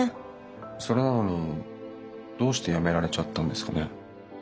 それなのにどうしてやめられちゃったんですかね？